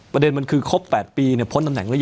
ประเด็นมันคือครบ๘ปีเนี่ยพ้นตำแหน่งรึยัง